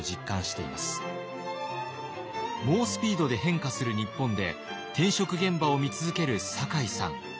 猛スピードで変化する日本で転職現場を見続ける酒井さん。